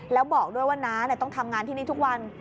แล้วบอกด้วยว่าน้าต้องทำงานที่นี่ทุกวัน